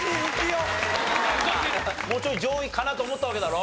もうちょい上位かなと思ったわけだろ？